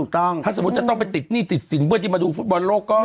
ถ้าสมมติจะต้องไปติดสิ่งเบื่อที่มาดูฟุตบอลโลก็